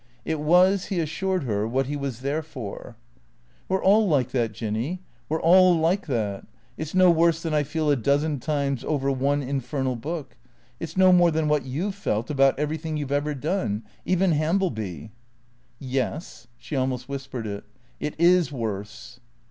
It was, he assured her, what he was there for. " We 're all like that, Jinny, we 're all like that. It 's no worse than I feel a dozen times over one infernal book. It 's no more than what you 've felt about everything you Ve ever done — even Hambleby." " Yes." She almost whispered it. " It is worse."